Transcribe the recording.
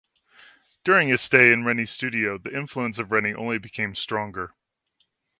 During his stay in Reni's studio the influence of Reni only became stronger.